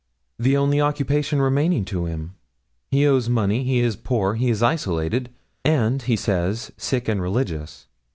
'The only occupation remaining to him. He owes money; he is poor; he is isolated; and he says, sick and religious.